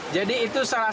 jadi itu salah satu